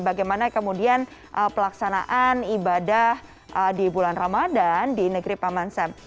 bagaimana kemudian pelaksanaan ibadah di bulan ramadan di negeri paman sam